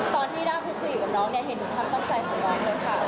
ตอนที่ด้านพูดคุยกับน้องเห็นถึงความต้องใจของน้องเลยค่ะ